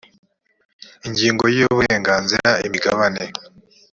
ingingo ya uburenganzira imigabane